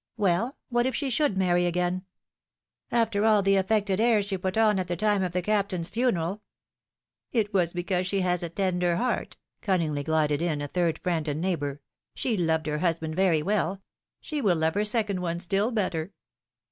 Well ! what if she should marry again?" ^^After all the affected airs she put on at the time of the Captain's funeral !" ^^It was because she has a tender heart," cunningly glided in a third friend and neighbor; ^^she loved her first husband very well ; she will love her second one still better